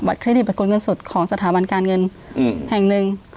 บัตรเครดิตบัตรกดเงินสุดของสถาบันการเงินแห่งหนึ่ง